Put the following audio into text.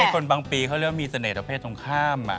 ไม่ทุนบางปีเค้าเรียกว่ามีเสน่ห์ประเภทต้องข้าม